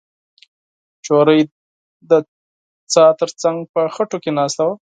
نجلۍ د څا تر څنګ په خټو کې ناسته وه.